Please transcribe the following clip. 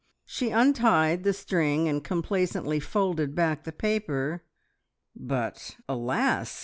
She untied the string and complacently folded back the paper, but, alas!